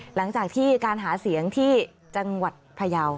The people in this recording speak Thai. หลังจากที่การหาเสียงที่จังหวัดพยาว